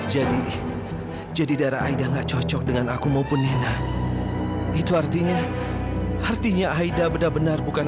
jadi jadi darah aida enggak cocok dengan aku maupun nina itu artinya artinya aida benar benar bukan